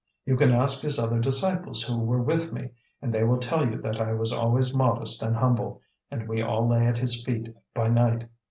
You can ask his other disciples who were with me, and they will tell you that I was always modest and humble, and we all lay at his feet by night.